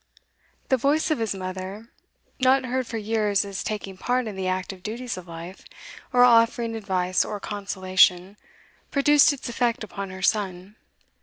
The voice of his mother, not heard for years as taking part in the active duties of life, or offering advice or consolation, produced its effect upon her son.